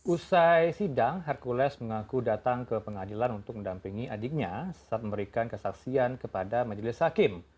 usai sidang hercules mengaku datang ke pengadilan untuk mendampingi adiknya saat memberikan kesaksian kepada majelis hakim